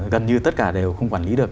gần như tất cả đều không quản lý được